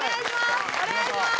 お願いします！